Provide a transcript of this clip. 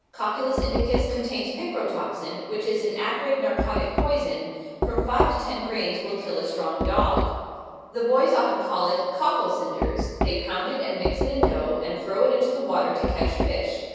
Cocculus indicus contains picrotoxin, which is an "acrid narcotic poison;" from five to ten grains will kill a strong dog. The boys often call it "cockle cinders;" they pound it and mix it in dough, and throw it into the water to catch fish.